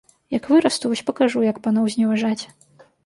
Як вырасту, вось пакажу, як паноў зневажаць!